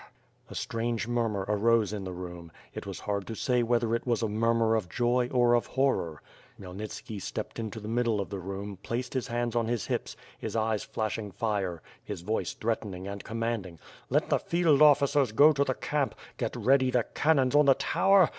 A strange murmur arose in the room; it was hard to say whether it was a murmur of joy or of horror. Khmyelnitski stepped into the middle of the room, placed his hands on his hips, his eyes flashing fire, his voice threatening and com manding: "Let the field officers go to the camp! Get ready the can nons on the tower!